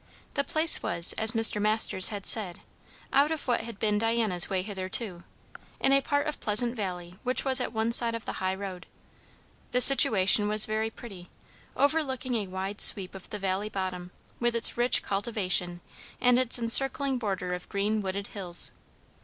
The place was, as Mr. Masters had said, out of what had been Diana's way hitherto; in a part of Pleasant Valley which was at one side of the high road. The situation was very pretty, overlooking a wide sweep of the valley bottom, with its rich cultivation and its encircling border of green wooded hills.